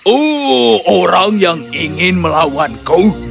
oh orang yang ingin melawanku